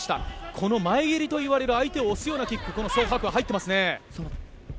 この前蹴りといわれるよな相手を押すようなキックソ・ハクア入ってますね。